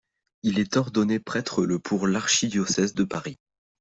Il est ordonné prêtre le pour l'Archidiocèse de Paris.